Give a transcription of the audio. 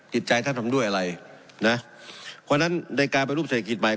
จิตใจท่านทำด้วยอะไรนะเพราะฉะนั้นในการไปรูปเศรษฐกิจใหม่